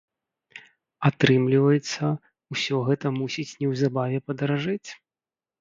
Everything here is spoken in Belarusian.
Атрымліваецца, усё гэта мусіць неўзабаве падаражэць?